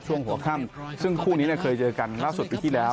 ช่วงหัวค่ำซึ่งคู่นี้เคยเจอกันล่าสุดปีที่แล้ว